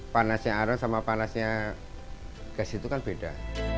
panasnya arom sama panasnya gas itu kan beda